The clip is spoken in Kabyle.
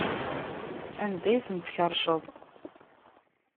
Anda ay ten-tkerrceḍ?